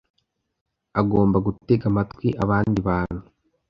Agomba gutega amatwi abandi bantu.